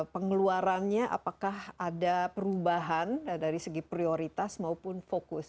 pengeluarannya apakah ada perubahan dari segi prioritas maupun fokus